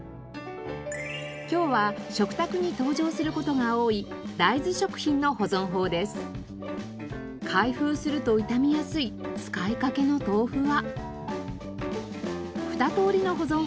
今日は食卓に登場する事が多い開封すると傷みやすい使いかけの豆腐は。